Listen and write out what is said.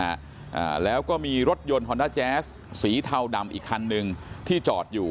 อ่าแล้วก็มีรถยนต์ฮอนด้าแจ๊สสีเทาดำอีกคันหนึ่งที่จอดอยู่